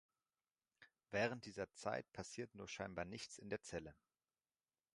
Während dieser Zeit passiert nur scheinbar nichts in der Zelle.